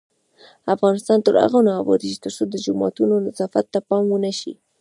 افغانستان تر هغو نه ابادیږي، ترڅو د جوماتونو نظافت ته پام ونشي.